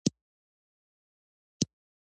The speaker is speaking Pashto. ډزې کوونکي اوس اړ دي، چې موږ ټول ووژني.